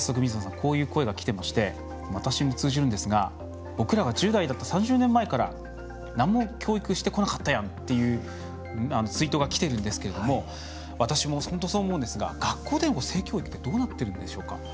こういう声がきてまして私も通じるんですが「僕らが１０代だった３０年前から、なんも教育してこなかったやん」っていうツイートがきてるんですけども私も本当にそう思うんですが学校での性教育ってどうなっているんでしょうか。